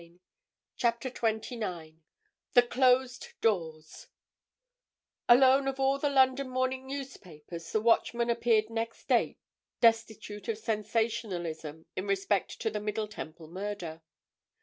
_ CHAPTER TWENTY NINE THE CLOSED DOORS Alone of all the London morning newspapers, the Watchman appeared next day destitute of sensationalism in respect to the Middle Temple Murder.